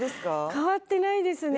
変わってないですね